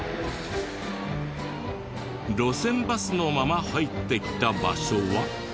路線バスのまま入ってきた場所は。